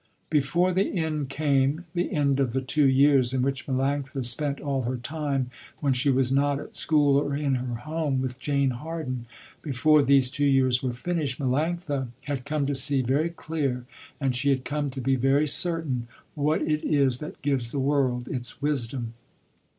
Before the end came, the end of the two years in which Melanctha spent all her time when she was not at school or in her home, with Jane Harden, before these two years were finished, Melanctha had come to see very clear, and she had come to be very certain, what it is that gives the world its wisdom.